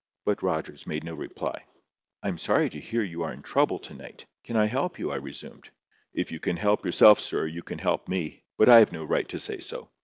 But Rogers made no reply. "I am sorry to hear you are in trouble to night. Can I help you?" I resumed. "If you can help yourself, sir, you can help me. But I have no right to say so.